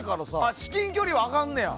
至近距離はあかんねや。